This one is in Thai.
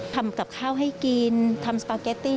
ทำกับข้าวให้กินทำสปาเกตตี้